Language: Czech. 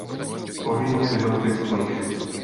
O víně vydal pět knih.